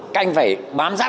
cách phải bám rát